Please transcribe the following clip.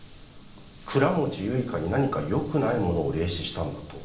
倉持結花に何かよくないものを霊視したんだと。